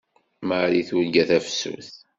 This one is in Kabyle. Marie turga tafsut.